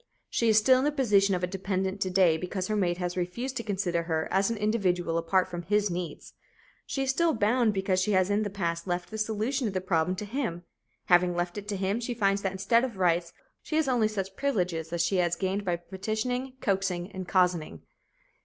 She is still in the position of a dependent to day because her mate has refused to consider her as an individual apart from his needs. She is still bound because she has in the past left the solution of the problem to him. Having left it to him, she finds that instead of rights, she has only such privileges as she has gained by petitioning, coaxing and cozening.